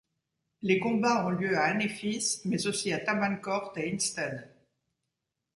Les combats ont lieu à Anéfis mais aussi à Tabankort et Instead.